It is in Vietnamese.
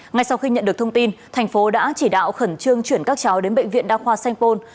ngay sau khi nhận được thông tin thành phố đã chỉ đạo khẩn trương chuyển các cháu đến bệnh viện đa khoa sanh pôn